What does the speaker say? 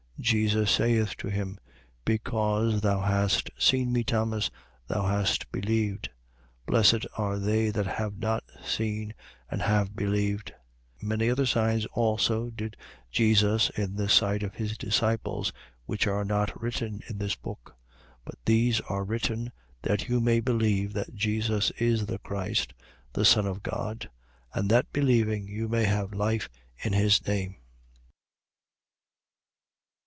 20:29. Jesus saith to him: Because thou hast seen me, Thomas, thou hast believed: blessed are they that have not seen and have believed. 20:30. Many other signs also did Jesus in the sight of his disciples, which are not written in this book. 20:31. But these are written, that you may believe that Jesus is the Christ, the Son of God: and that believing, you may have life in his name.